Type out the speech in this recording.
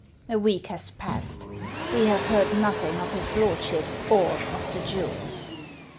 A week has passed. We have heard nothing of his lordship or of the jewels.